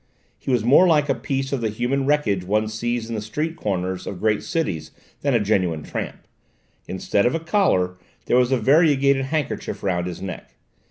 He was more like a piece of the human wreckage one sees in the street corners of great cities than a genuine tramp. Instead of a collar, there was a variegated handkerchief round his neck.